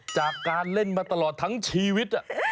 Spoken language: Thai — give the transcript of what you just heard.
จากการเล่นมาตลอดทั้งชีวิต